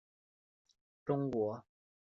养殖业生产保持稳定。